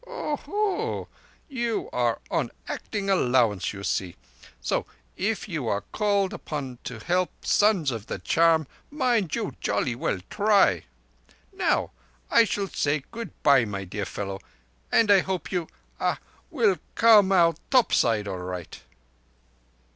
Oh ho! You are on acting allowance, you see: so if you are called upon to help Sons of the Charm mind you jolly well try. Now I shall say good bye, my dear fellow, and I hope you—ah—will come out top side all raight."